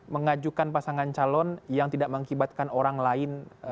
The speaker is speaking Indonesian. mengajukan pasangan calon yang tidak mengakibatkan orang lain